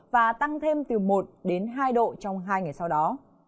và tăng thêm từ một đến hai độ trong hai ngày sau đó